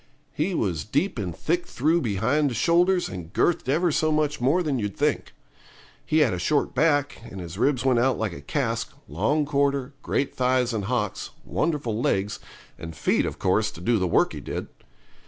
He was deep and thick through behind the shoulders, and girthed ever so much more than you'd think. He had a short back, and his ribs went out like a cask, long quarter, great thighs and hocks, wonderful legs, and feet of course to do the work he did.